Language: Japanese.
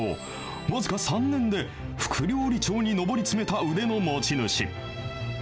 僅か３年で、副料理長に上り詰めた腕の持ち主。